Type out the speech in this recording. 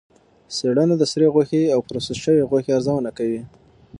څېړنه د سرې غوښې او پروسس شوې غوښې ارزونه کوي.